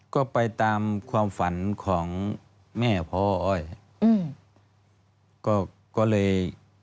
ก็ไปตามความฝันของแม่พออ้อยก็เลย